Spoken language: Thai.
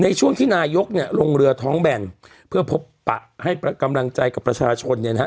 ในช่วงที่นายกเนี่ยลงเรือท้องแบนเพื่อพบปะให้กำลังใจกับประชาชนเนี่ยนะฮะ